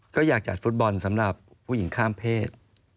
ก็อยากจัดฟุตบอลสำหรับผู้หญิงข้ามเพศ